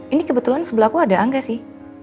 ini kebetulan sebelah aku ada angga sih